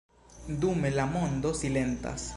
Dume la mondo silentas.